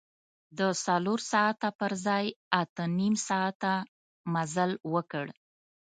د څلور ساعته پر ځای اته نیم ساعته مزل وکړ.